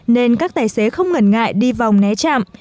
nên các tài xế không ngần ngại đi vòng né chạm